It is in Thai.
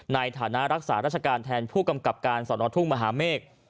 ในฐานะรักษาราชการแทนผู้กำกับการสอนอทุ่งมหาเมฆ